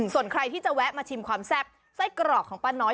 ส่วนใครที่จะแวะมาชิมความแซ่บไส้กรอกของป้าน้อย